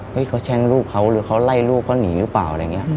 เขาแช่งลูกเขาหรือเขาไล่ลูกเขาหนีหรือเปล่าอะไรอย่างนี้